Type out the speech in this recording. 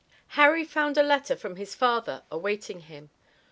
Harry found a letter from his father awaiting him.